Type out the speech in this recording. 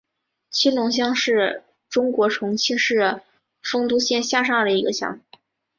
青龙乡是中国重庆市丰都县下辖的一个乡。